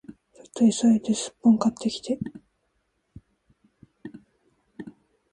ちょっと急いでスッポン買ってきて